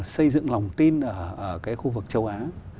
xây dựng lòng tin ở cái khu vực châu á